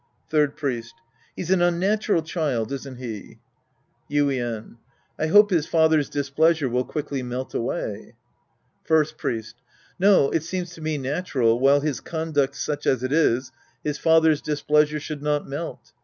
Third Priest. He's an unnatural cliild, isn't he ? Act II The Priest and His Disciples 53 Yuien. I hope his father's displeasure will quickly melt away. First Priest. No, it seems to me natural, wliile his conduct's such as it is, his father's displeasure should not melt.